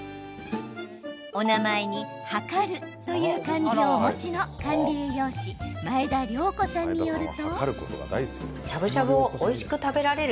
お名前に量るという漢字をお持ちの管理栄養士前田量子さんによると。